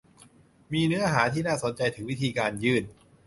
มีเนื้อหาที่น่าสนใจถึงวิธีการยื่น